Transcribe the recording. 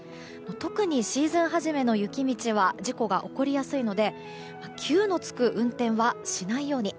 特にシーズン初めの雪道は事故が起こりやすいので急のつく運転はしないように。